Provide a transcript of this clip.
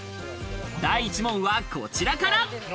第１問はこちらから。